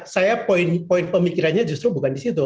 saya poin pemikirannya justru bukan disitu